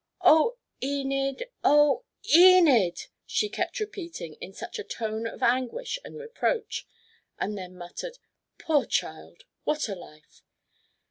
"'Oh, Enid! Oh, Enid!' she kept repeating in such a tone of anguish and reproach, and then muttered: 'Poor child! What a life!'